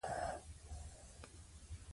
مور د ماشومانو د تنفسي روغتیا په اړه پوهه لري.